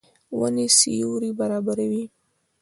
ونې سیوری برابروي.